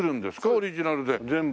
オリジナルで全部。